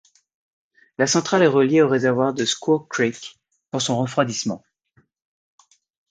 La centrale est reliée au réservoir de Squaw Creek pour son refroidissement.